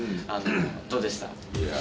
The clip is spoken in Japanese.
どうでした？